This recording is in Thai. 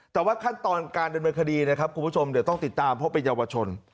แต่ว่าขั้นตอนการดำเนินคดีนะครับคุณผู้ชมเดี๋ยวต้องติดตามเพราะเป็นเยาวชน